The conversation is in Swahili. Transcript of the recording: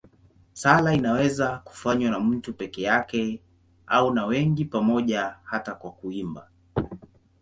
Sala inaweza kufanywa na mtu peke yake au na wengi pamoja, hata kwa kuimba.